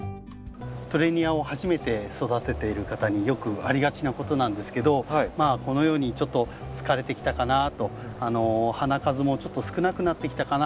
トレニアを初めて育てている方によくありがちなことなんですけどこのようにちょっと疲れてきたかなと花数もちょっと少なくなってきたかな。